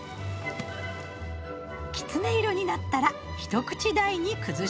きつね色になったら一口大に崩します。